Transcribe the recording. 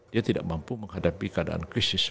dia tidak mampu menghadapi keadaan krisis